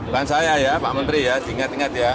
bukan saya ya pak menteri ya ingat ingat ya